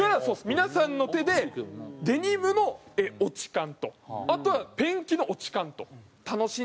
皆さんの手でデニムの落ち感とあとはペンキの落ち感とを楽しんでくださいと。